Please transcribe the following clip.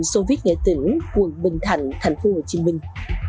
tôi viết nghệ tỉnh quận bình thạnh thành phố hồ chí minh